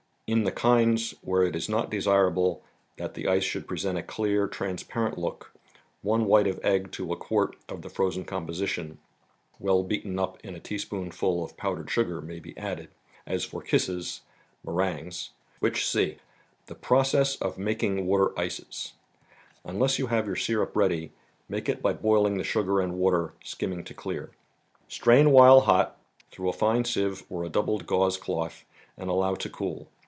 In the kinds where it is not desirable that the ice should present a clear, trans¬ parent look, one white of egg to a quart of the frozen composition, well beaten up in a teaspoonful of powdered sugar, may be added, as for Kisses (; meringues ) \vhich see. 40 THE BOOK OF ICES . Clje p>roceg£ of Slpafmtg Mattt SJceg. Unless you have your syrup ready, make it by boiling the sugar and water, skimming to clear. Strain while hot, through a fine sieve or a doubled gauze cloth and allow to cool.